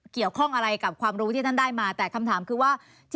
เกี่ยวข้องอะไรกับความรู้ที่ท่านได้มาแต่คำถามคือว่า